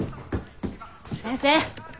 先生！